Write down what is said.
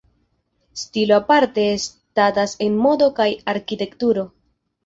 Stilo aparte estadas en modo kaj arkitekturo.